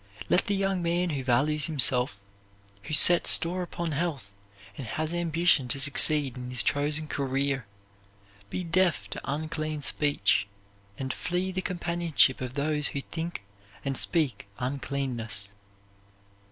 Let the young man who values himself, who sets store upon health and has ambition to succeed in his chosen career, be deaf to unclean speech and flee the companionship of those who think and speak uncleanness.